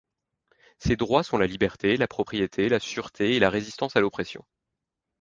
Ces droits sont la liberté, la propriété, la sûreté et la résistance à l’oppression.